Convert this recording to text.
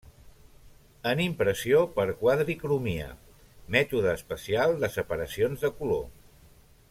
En impressió per quadricromia, mètode especial de separacions de color.